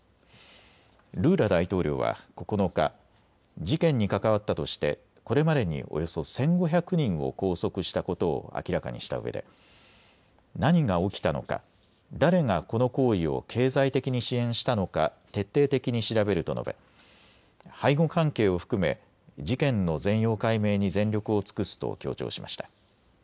ルーラ大統領は９日、事件に関わったとしてこれまでにおよそ１５００人を拘束したことを明らかにしたうえで、何が起きたのか、誰がこの行為を経済的に支援したのか徹底的に調べると述べ背後関係を含め事件の全容解明に全力を尽くすと強調しました。